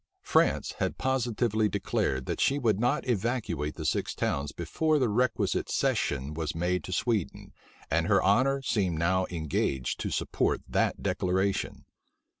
France had positively declared, that she would not evacuate the six towns before the requisite cession was made to Sweden and her honor seemed now engaged to support that declaration.